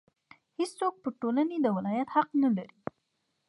هېڅوک پر ټولنې د ولایت حق نه لري.